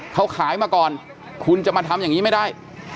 เขาขายมาก่อนคุณจะมาทำอย่างนี้ไม่ได้